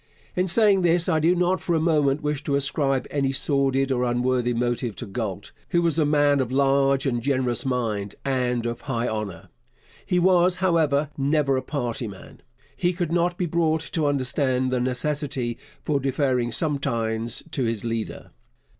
In saying this I do not for a moment wish to ascribe any sordid or unworthy motive to Galt, who was a man of large and generous mind and of high honour. He was, however, never a party man. He could not be brought to understand the necessity for deferring sometimes to his leader.